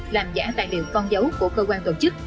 làm giả tài liệu con dấu của cơ quan tổ chức